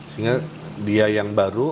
sehingga dia yang baru